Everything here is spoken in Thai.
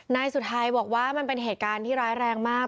นายสุทัยบอกว่ามันเป็นเหตุการณ์ที่ร้ายแรงมาก